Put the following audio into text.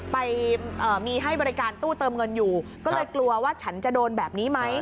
ไปมีให้บริการตู้เติมเงินอยู่ก็เลยกลัวว่าฉันจะโดนแบบนี้ไหม